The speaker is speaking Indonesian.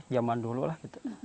zaman dulu lah